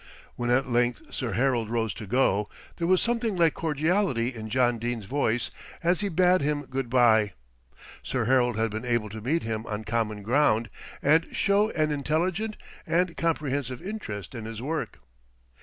When at length Sir Harold rose to go, there was something like cordiality in John Dene's voice, as he bade him good bye. Sir Harold had been able to meet him on common ground, and show an intelligent and comprehensive interest in his work.